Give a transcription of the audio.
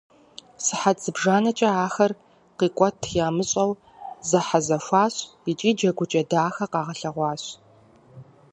Сыхьэт зыбжанэкӏэ ахэр къикӏуэт ямыщӏэу зэхьэзэхуащ икӏи джэгукӏэ дахэ къагъэлъэгъуащ.